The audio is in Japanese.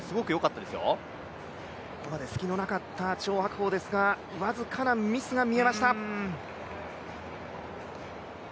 ここまで隙のなかった張博恒ですが僅かなミスが見えました。